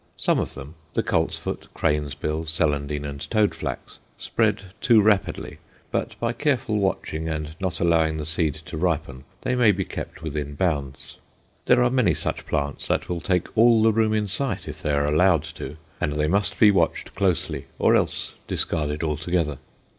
Some of them, the coltsfoot, cranesbill, celandine, and toadflax, spread too rapidly, but by careful watching and not allowing the seed to ripen, they may be kept within bounds. There are many such plants that will take all the room in sight if they are allowed to, and they must be watched closely, or else discarded altogether.